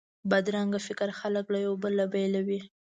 بدرنګه فکر خلک له یو بل بیلوي